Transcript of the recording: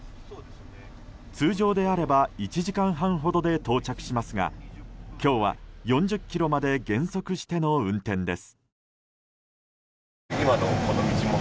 通常であれば１時間半ほどで到着しますが今日は４０キロまで減速しての運転です。